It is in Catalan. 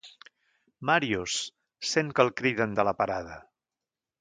Màrius —sent que el criden de la parada—.